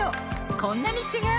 こんなに違う！